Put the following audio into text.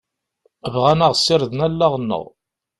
Bɣan ad ɣ-sirden allaɣ-nneɣ.